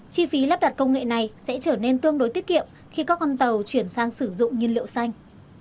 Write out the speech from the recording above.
chi phí lắp đặt công nghệ này sẽ trở nên tương đối tiết kiệm khi các con tàu chuyển sang sử dụng nhiên liệu xanh